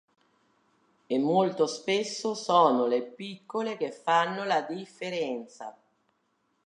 E molto spesso sono le piccole che fanno la differenza".